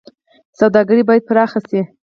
سوداګري باید پراخه شي